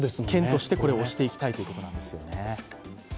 県としてそれをおしていきたいということなんでしょうね。